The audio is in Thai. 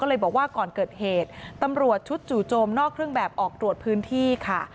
ก็เลยบอกว่าก่อนเกิดเหตุตำรวจชุดจู่โจมนอกเครื่องแบบออกตรวจพื้นที่ค่ะ